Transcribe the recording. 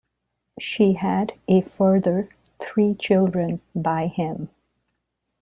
She had a further three children by him.